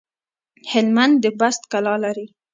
هلمند د بست کلا لري